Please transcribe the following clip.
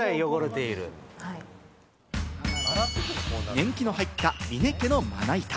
年季の入った峰家のまな板。